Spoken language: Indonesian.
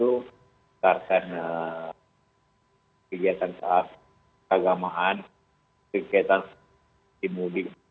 itu harusnya kegiatan keagamaan kegiatan di mudik